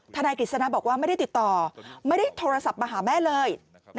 นายกฤษณะบอกว่าไม่ได้ติดต่อไม่ได้โทรศัพท์มาหาแม่เลย